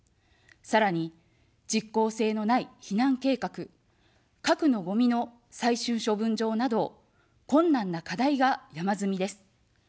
さらに、実効性のない避難計画、核のごみの最終処分場など、困難な課題が山積みです。